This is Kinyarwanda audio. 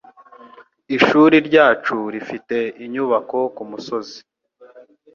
Ishuri ryacu rifite nyubako kumusozi